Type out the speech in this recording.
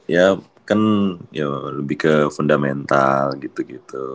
ya kan ya lebih ke fundamental gitu gitu